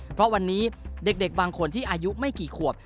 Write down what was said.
เพราะวันนี้เด็กบางคนที่อายุไม่กี่ขวบ